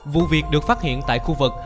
vụ việc được phát hiện tại khu vực